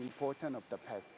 dan pentingnya jalan ini